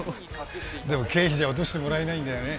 でも経費じゃ落としてもらえないんだよね